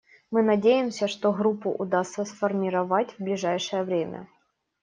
Мы надеемся, что Группу удастся сформировать в ближайшее время.